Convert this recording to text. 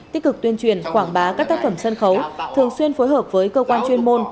tích cực tuyên truyền quảng bá các tác phẩm sân khấu thường xuyên phối hợp với cơ quan chuyên môn